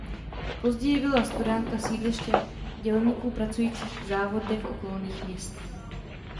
Později byla Studánka sídlištěm dělníků pracujících v závodech okolních měst.